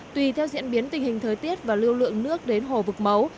tùy theo diễn biến tình hình thời tiết và lưu lượng nước đến hồ vực mấu